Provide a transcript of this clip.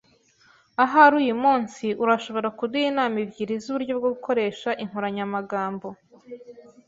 Ahari uyumunsi urashobora kuduha inama ebyiri zuburyo bwo gukoresha inkoranyamagambo.